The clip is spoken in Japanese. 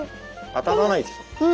当たらないでしょ。